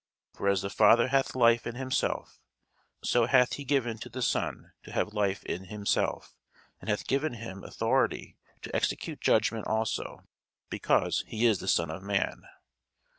For as the Father hath life in himself; so hath he given to the Son to have life in himself; and hath given him authority to execute judgment also, because he is the Son of man.